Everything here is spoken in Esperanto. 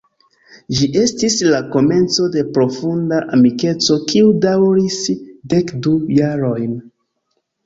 Ĝi estis la komenco de profunda amikeco kiu daŭris dek du jarojn.